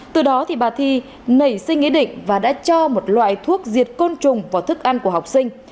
từ đó bà thi nảy sinh ý định và đã cho một loại thuốc diệt côn trùng vào thức ăn của học sinh